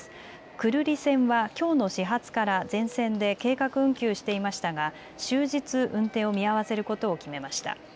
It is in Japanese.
久留里線はきょうの始発から全線で計画運休していましたが終日運転を見合わせることを決めました。